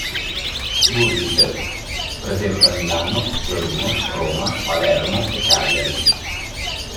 Gurdjieff," presente a Milano, Torino, Roma, Palermo e Cagliari.